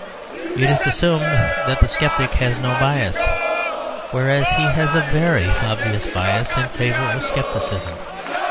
It is assumed that the sceptic has no bias; whereas he has a very obvious bias in favour of scepticism.